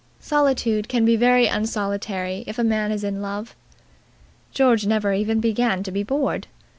Solitude can be very unsolitary if a man is in love. George never even began to be bored.